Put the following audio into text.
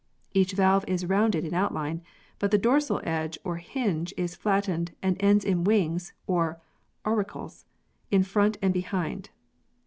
Each valve is rounded in outline, but the dorsal edge or hinge is flattened and ends in wings (or auricles) in front and behind.